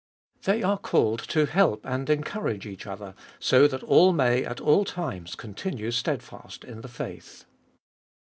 They are called to help and encourage each other so that all may at all times continue steadfast in the faith.